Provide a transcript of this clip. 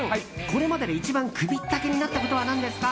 これまでで一番くびったけになったことは何ですか。